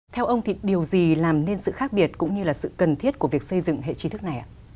theo ông thì điều gì làm nên sự khác biệt cũng như là sự cần thiết của việc xây dựng hệ trí thức này ạ